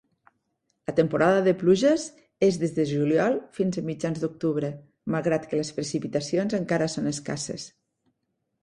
La temporada de pluges és des de juliol fins a mitjans d'octubre, malgrat que les precipitacions encara són escasses.